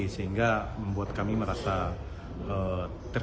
sehingga membuat kami merasa ter